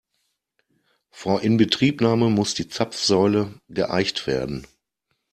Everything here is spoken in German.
Vor Inbetriebnahme muss die Zapfsäule geeicht werden.